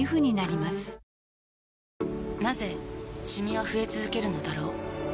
なぜシミは増え続けるのだろう